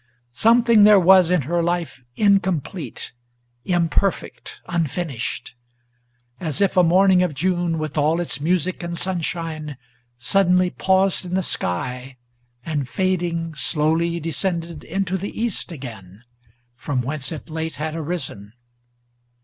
Something there was in her life incomplete, imperfect, unfinished; As if a morning of June, with all its music and sunshine, Suddenly paused in the sky, and, fading, slowly descended Into the east again, from whence it late had arisen.